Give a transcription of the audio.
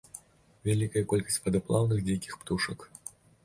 Вялікая колькасць вадаплаўных дзікіх птушак.